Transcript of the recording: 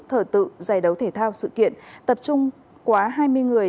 thờ tự giải đấu thể thao sự kiện tập trung quá hai mươi người